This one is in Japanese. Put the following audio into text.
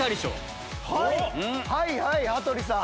はいはい羽鳥さん。